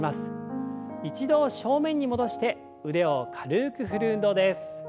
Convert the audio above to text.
一度正面に戻して腕を軽く振る運動です。